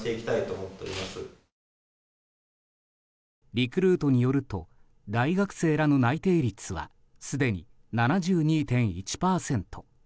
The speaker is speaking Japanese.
リクルートによると大学生らの内定率はすでに７２．１％。